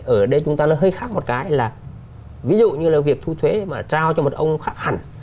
ở đây chúng ta nó hơi khác một cái là ví dụ như là việc thu thuế mà trao cho một ông khác hẳn